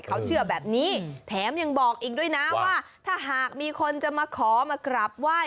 เขาเชื่อแบบนี้แถมยังบอกอีกด้วยนะว่าถ้าหากมีคนจะมาขอมากราบไหว้